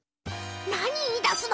なにいいだすの！？